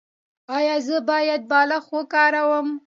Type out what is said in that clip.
ایا زه باید بالښت وکاروم؟